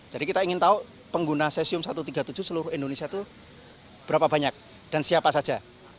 jadi kita ingin tahu pengguna cesium satu ratus tiga puluh tujuh seluruh indonesia itu berapa banyak dan siapa saja